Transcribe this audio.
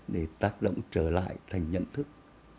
để tác động trở lại thành nhận thức